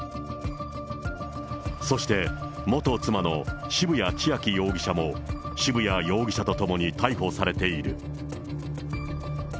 そして、元妻の渋谷千秋容疑者も渋谷容疑者と共に逮捕されている。